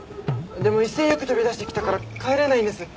でも威勢よく飛び出してきたから帰れないんです。